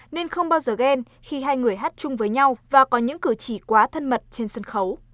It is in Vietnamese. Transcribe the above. nên không bao giờ ghen khi hai người hát chung với nhau và có những cử chỉ quá thân mật trên sân khấu